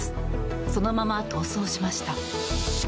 そのまま逃走しました。